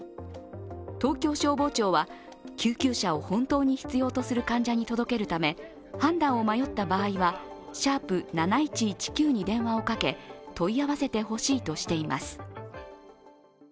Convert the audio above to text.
東京消防庁は救急車を本当に必要とする患者に届けるため判断を迷った場合は♯７１１９に電話をかけ問い合わせてほしいとしています。